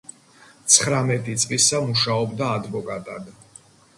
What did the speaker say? ცხრამეტი წლისა მუშაობდა ადვოკატად.